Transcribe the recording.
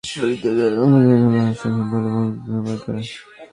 তারা সংবিধানের ত্রয়োদশ সংশোধনী বাতিলের রায় অবৈধ এবং অসাংবিধানিক বলে মন্তব্য করে।